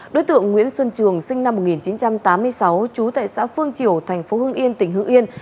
đối tượng nguyễn xuân trường sinh năm một nghìn chín trăm tám mươi sáu trú tại xã phương triều thành phố hưng yên tỉnh hưng yên